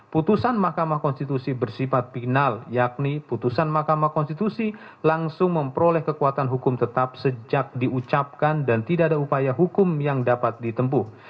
putusan mahkamah konstitusi bersifat final yakni putusan mahkamah konstitusi langsung memperoleh kekuatan hukum tetap sejak diucapkan dan tidak ada upaya hukum yang dapat ditempuh